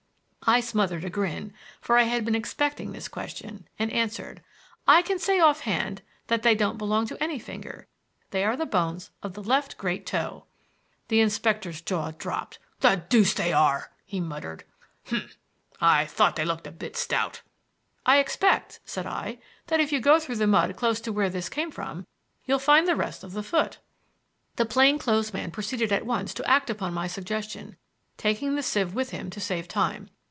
I smothered a grin (for I had been expecting this question), and answered: "I can say offhand that they don't belong to any finger. They are the bones of the left great toe." The inspector's jaw dropped. "The deuce they are!" he muttered. "H'm. I thought they looked a bit stout." "I expect," said I, "that if you go through the mud close to where this came from you'll find the rest of the foot." The plain clothes man proceeded at once to act on my suggestion, taking the sieve with him to save time.